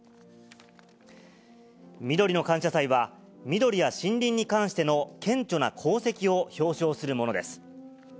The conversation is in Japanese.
みどりの感謝祭は、みどりや森林に関しての顕著な功績を表彰するものです。